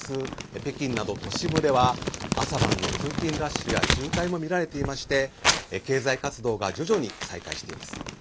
北京など都市部では朝晩の通勤ラッシュや渋滞も見られていまして経済活動が徐々に再開しています。